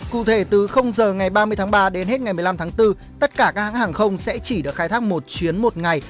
cụ thể từ giờ ngày ba mươi tháng ba đến hết ngày một mươi năm tháng bốn tất cả các hãng hàng không sẽ chỉ được khai thác một chuyến một ngày